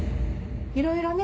いろいろね